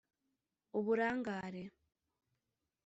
uburangare